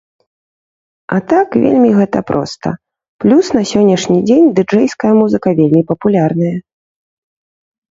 А так вельмі гэта проста, плюс, на сённяшні дзень дыджэйская музыка вельмі папулярная.